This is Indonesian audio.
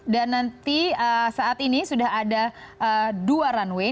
dan nanti saat ini sudah ada dua runway